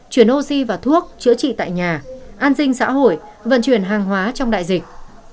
chuyển oxy và thuốc chữa trị tại nhà an sinh xã hội vận chuyển hàng hóa trong đại dịch